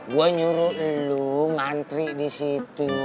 gue nyuruh lu ngantri di situ